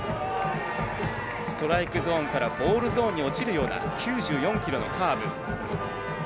ストライクゾーンからボールゾーンに落ちるような９４キロのカーブ。